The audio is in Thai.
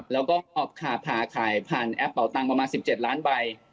แล้วก็ผ่าขายผ่านแอปเป่าตังค์ประมาณ๑๗ล้านใบ